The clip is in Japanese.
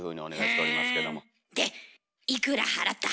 でいくら払った？